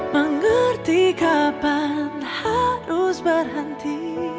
mengerti kapan harus berhenti